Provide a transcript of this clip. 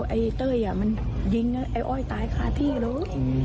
ไอ้เต้ยมันยิงไอ้อ้อยตายคาที่เลย